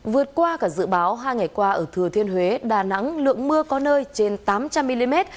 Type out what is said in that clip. vượt qua cả dự báo hai ngày qua ở thừa thiên huế đà nẵng lượng mưa có nơi trên tám trăm linh mm